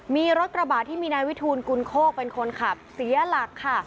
มีรถกระบาดที่มีนายวิทูลกุลโคกเป็นคนขับเสียหลักค่ะ